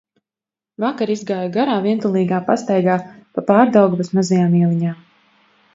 Vakar izgāju garā, vientulīgā pastaigā pa Pārdaugavas mazajām ieliņām.